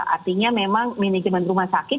artinya memang manajemen rumah sakit